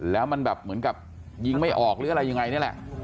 แล้วมันแบบเหมือนกับยิงไม่ออกหรืออะไรยังไงนี่แหละ